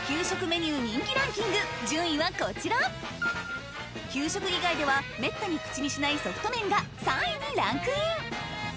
順位はこちら給食以外ではめったに口にしないソフト麺が３位にランクイン